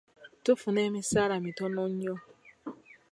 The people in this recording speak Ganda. Tufuna emisaala mitono nnyo.